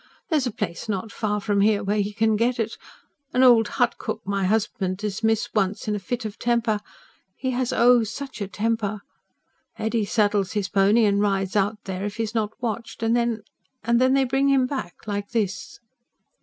There's a place not far from here where he can get it ... an old hut cook my husband dismissed once, in a fit of temper he has oh such a temper! Eddy saddles his pony and rides out there, if he's not watched; and then ... then, they bring him back ... like this."